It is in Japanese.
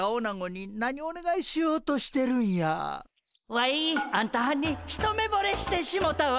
ワイあんたはんに一目ぼれしてしもたわ！